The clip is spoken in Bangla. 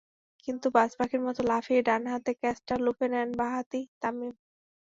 কিন্তু বাজপাখির মতো লাফিয়ে ডান হাতে ক্যাচটা লুফে নেন বাঁ হাতি তামিম।